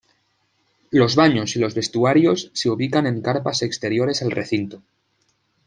Los baños y los vestuarios se ubican en carpas exteriores al recinto.